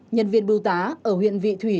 nhân viên bưu tá ở huyện vị thủy